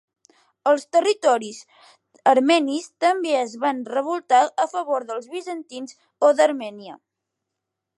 Els territoris armenis també es van revoltar en favor dels bizantins o d'Armènia.